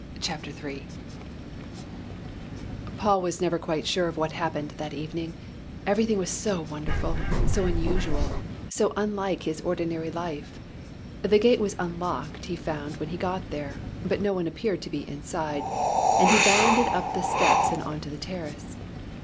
CHAPTER III Paul was never quite sure of what happened that evening everything was so wonderful, so unusual, so unlike his ordinary life. The gate was unlocked he found when he got there, but no one appeared to be inside, and he bounded up the steps and on to the terrace.